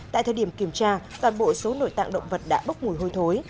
tại thời điểm kiểm tra toàn bộ số nội tạng động vật đã bốc mùi hôi thối